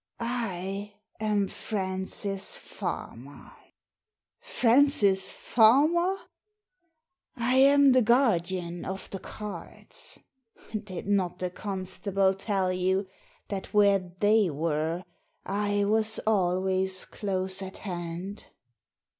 " I am Francis Farmer.' " Francis Farmer I "" I am the guardian of the cards. Did not the constable tell you that where they were I was always close at hand